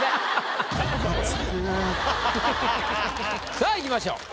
さあいきましょう。